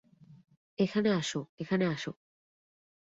এখানে আসো এখানে আসো।